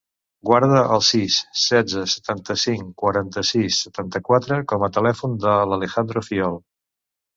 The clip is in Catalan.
Guarda el sis, setze, setanta-cinc, quaranta-sis, setanta-quatre com a telèfon de l'Alejandro Fiol.